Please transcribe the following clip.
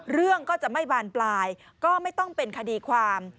เรื่องก็จะไม่บานปลายก็ไม่ต้องเป็นคดีความ